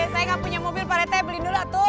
saya gak punya mobil pak rete beli dulu atuh